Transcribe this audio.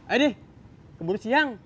ayo deh kebun siang